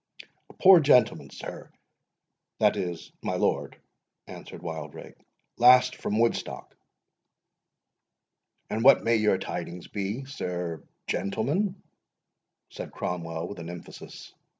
"A poor gentleman, sir,—that is, my lord,"—answered Wildrake; "last from Woodstock." "And what may your tidings be, sir gentleman?" said Cromwell, with an emphasis.